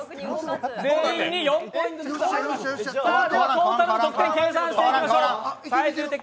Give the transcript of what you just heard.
トータルの得点を計算していきましょう！